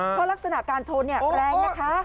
เพราะลักษณะการชนแรงนะคะ